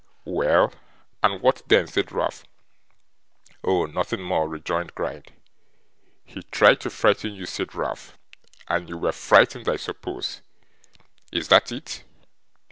'Well, and what then?' said Ralph. 'Oh! nothing more,' rejoined Gride. 'He tried to frighten you,' said Ralph, 'and you WERE frightened I suppose; is that it?